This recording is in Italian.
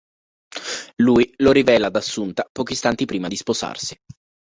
Lui lo rivela ad Assunta pochi istanti prima di sposarsi.